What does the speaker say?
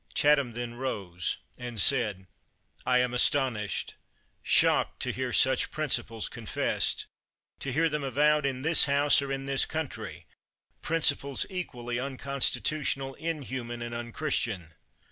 Chatham then rose and said:] I am astonished, shocked! to hear such prin ciples confessed — to hear them avowed in this House, or in this country ; principles equally un constitutional, inhuman, and unchristian!